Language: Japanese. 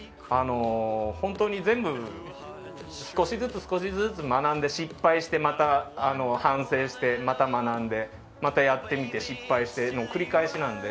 本当に全部少しずつ少しずつ学んで失敗して、反省してまた学んで、またやってみて失敗しての繰り返しなんで。